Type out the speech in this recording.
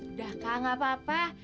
udah kak nggak apa apa